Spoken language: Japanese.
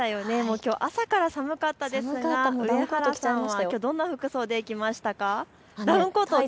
きょうは朝から寒かったですが上原さんはきょうはどんな服装で来ましたか。